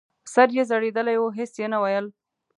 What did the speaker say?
سر یې ځړېدلی و هېڅ یې نه ویل !